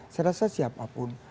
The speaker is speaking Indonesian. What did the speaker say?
saya rasa siapapun